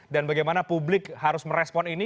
bagaimana publik harus merespon ini